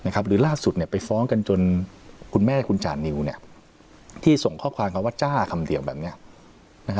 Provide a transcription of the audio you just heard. หรือล่าสุดไปฟ้องกันจนคุณแม่คุณจานิวที่ส่งข้อความเขาว่าจ้าคำเดียวแบบนี้